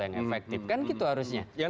yang efektif kan gitu harusnya